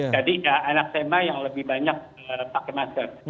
jadi anak sma yang lebih banyak pakai masker